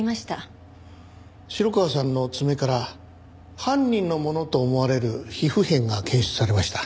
城川さんの爪から犯人のものと思われる皮膚片が検出されました。